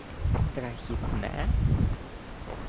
— Страхітне?